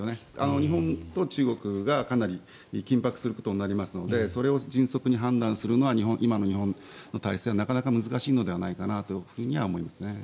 日本と中国がかなり緊迫することになりますのでそれを迅速に判断するのは今の日本の体制はなかなか難しいのではないかなとは思いますね。